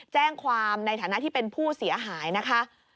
แจ้งความในฐานะที่เป็นผู้เสียหายนะคะ